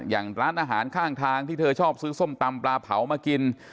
อย่างร้านอาหารข้างทางที่เธอชอบซื้อส้มตำปลาเผามากิน